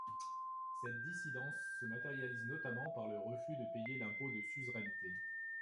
Cette dissidence se matérialise notamment par le refus de payer l'impôt de suzeraineté.